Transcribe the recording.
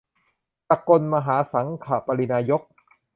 สกลมหาสังฆปริณายก